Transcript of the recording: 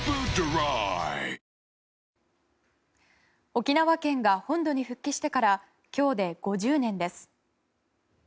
沖縄県が本土に復帰してから今日で５０年です。